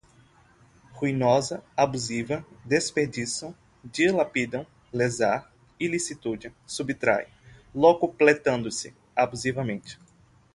ruinosa, abusiva, desperdiçam, dilapidam, lesar, ilicitude, subtrai, locupletando-se, abusivamente